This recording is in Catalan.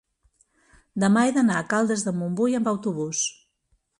demà he d'anar a Caldes de Montbui amb autobús.